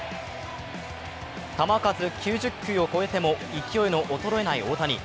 球数９０球を超えても勢いの衰えない大谷。